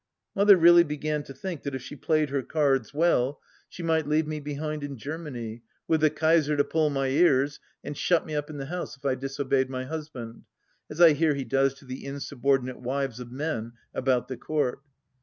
Mother really began to think that if she played her cards well, THE LAST DITCH 53 she might leave me behind in Germany, with the Kaiser to pull my ears and shut me up in the house if I disobeyed my husband, as I hear he does to the insubordinate wives of men about the Court.